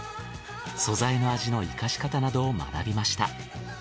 素材の味の生かし方などを学びました。